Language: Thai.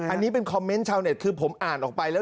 อันนี้เป็นคอมเมนต์ชาวเน็ตคือผมอ่านออกไปแล้ว